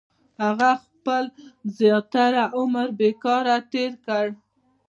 • هغه خپل زیاتره عمر بېکاره تېر کړ.